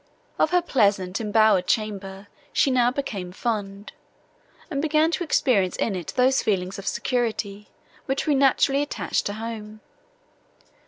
Of her pleasant embowered chamber she now became fond, and began to experience in it those feelings of security, which we naturally attach to home.